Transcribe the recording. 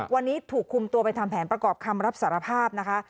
วันนี้ถูกคุมตัวไปทำแผนประกอบคำรับสารภาพนะคะ